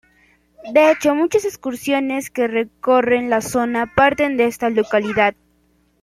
De hecho muchas excursiones que recorren la zona parten de esta localidad.